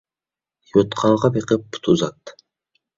يوتقانغا بېقىپ پۇت ئۇزات.